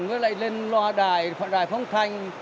với lại lên loa đài loa đài phóng thanh